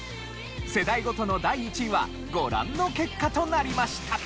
世代ごとの第１位はご覧の結果となりました。